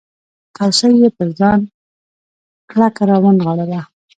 کوسۍ یې پر خپل ځان کلکه راونغاړله.